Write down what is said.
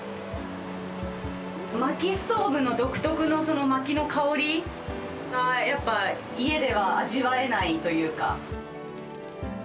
薪ストーブの独特の薪の香りがやっぱ家では味わえないというか。